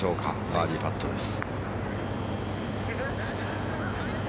バーディーパットです。